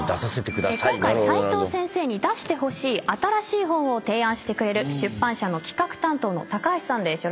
今回齋藤先生に出してほしい新しい本を提案してくれる出版社の企画担当の高橋さんです。